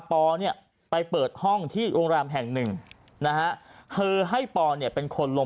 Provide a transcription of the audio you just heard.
ปอปไปเปิดห้องที่โรงแรมแห่ง๑นะฮะเหลือให้ปอเป็นคนลง